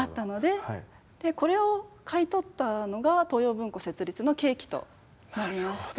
これを買い取ったのが東洋文庫設立の契機となりまして。